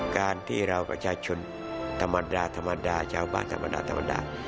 การที่เราประชาชนธรรมดาชาวบ้านธรรมดา